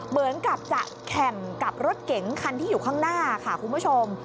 เหมือนกับจะแข่งกับรถเก๋งคันที่อยู่ข้างหน้าค่ะคุณผู้ชม